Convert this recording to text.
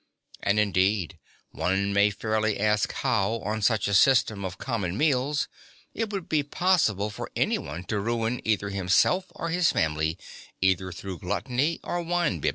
And indeed one may fairly ask how, on such a system of common meals, it would be possible for any one to ruin either himself or his family either through gluttony or wine bibbing.